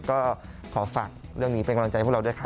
ก็ขอฝากเรื่องนี้เป็นกำลังใจพวกเราด้วยค่ะ